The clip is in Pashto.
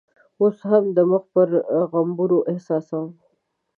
اوس هم د مخ پر غومبرو احساسوم.